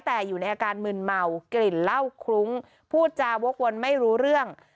แต่อยู่ในอาการมึนเมากลิ่นเหล้าคลุ้งพูดจาวกวนไม่รู้เรื่อง